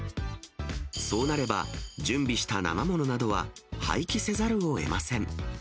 そうなれば、準備した生ものなどは廃棄せざるをえません。